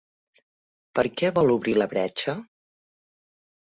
Per què vol obrir la bretxa?